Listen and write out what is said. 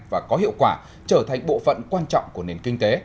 và có hiệu quả trở thành bộ phận quan trọng của nền kinh tế